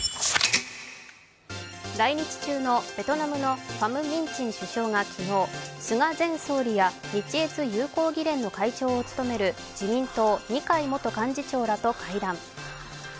来日中のベトナムのファム・ミン・チン首相が昨日菅前総理や日越友好議連の会長を務める自民党・二階元幹事長らと会談。